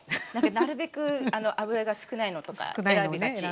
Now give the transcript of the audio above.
なるべく脂が少ないのとか選びがち。